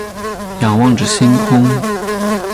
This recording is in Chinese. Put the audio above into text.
仰望着星空